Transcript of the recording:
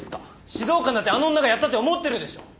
指導官だってあの女がやったって思ってるでしょ！